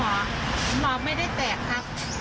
หมอบไม่ได้แตกครับ